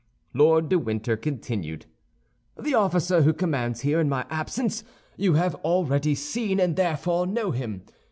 Lord de Winter continued: "The officer who commands here in my absence you have already seen, and therefore know him.